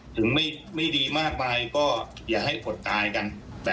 ถึงไม่ดีมากไปก็อย่าให้อดตายกัน